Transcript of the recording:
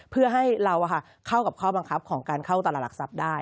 เพื่อให้เราเข้ากับข้อบังคับของการเข้าตลาดหลักทรัพย์ได้